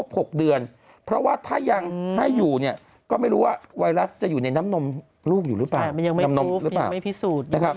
เพราะว่าถ้ายังให้อยู่เนี่ยก็ไม่รู้ว่าไวรัสจะอยู่ในน้ำนมลูกอยู่หรือเปล่ามันยังไม่พิสูจน์ยังไม่รู้